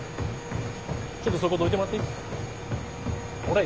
ちょっとそこどいてもらっていい？